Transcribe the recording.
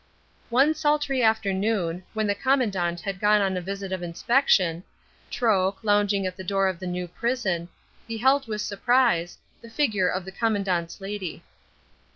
One sultry afternoon, when the Commandant had gone on a visit of inspection, Troke, lounging at the door of the New Prison, beheld, with surprise, the figure of the Commandant's lady.